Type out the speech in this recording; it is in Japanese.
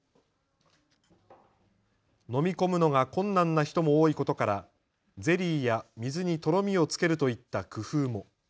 飲み込むのが困難な人も多いことからゼリーや水にとろみをつけるといった工夫も。